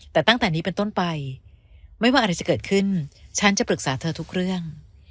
แต่ตั้งแต่นี้เป็นต้นไปไม่ว่าอะไรจะเกิดขึ้นฉันจะปรึกษาเธอทุกเรื่อง